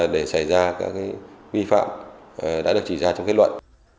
để xảy ra các vi phạm đã được chỉ ra trong kết luận